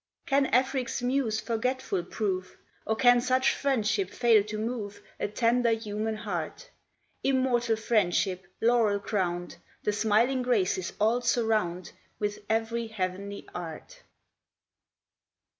Can Afric's muse forgetful prove? Or can such friendship fail to move A tender human heart? Immortal Friendship laurel crown'd The smiling Graces all surround With ev'ry heav'nly Art.